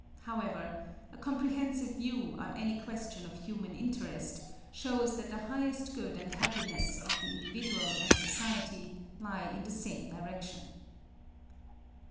However, a comprehensive view of any question of human interest, shows that the highest good and happiness of the individual and society lie in the same direction.